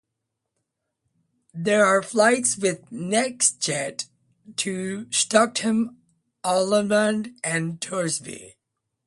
There are flights with Nextjet to Stockholm Arlanda and Torsby.